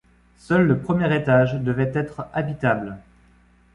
Seul le premier étage devait être habitable.